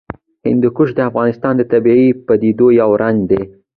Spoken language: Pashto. هندوکش د افغانستان د طبیعي پدیدو یو رنګ دی.